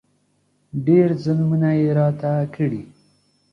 ډېر ظلمونه یې راته کړي.